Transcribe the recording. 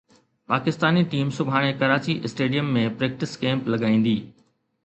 Pakistani team سڀاڻي Karachi stadium ۾ practice camp لڳائيندي